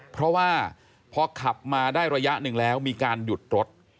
เพราะว่าพอขับมาได้ระยะหนึ่งแล้วมีการหยุดรถ